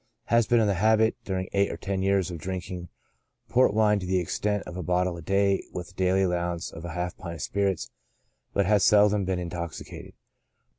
Has been in the habit, during eight or ten years, of drink ing port wine to the extent of a bottle a day, with a daily allowance of half a pint of spirits, but has seldom been in toxicated.